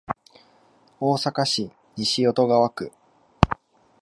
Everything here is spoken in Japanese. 大阪市西淀川区